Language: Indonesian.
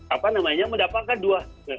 apa namanya mendapatkan dua